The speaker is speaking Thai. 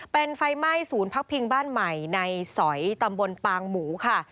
เป็นไฟไหม้ศูนย์พักพิงบ้านใหม่ในสอยตำบลปางหมูค่ะ